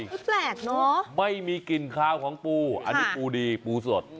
ก็แปลกเนอะไม่มีกลิ่นคาวของปูอันนี้ปูดีปูสด